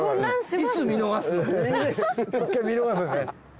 １回見逃す。